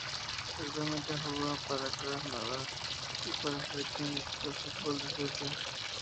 Actualmente juega para el Krasnodar y para la selección de fútbol de Suecia.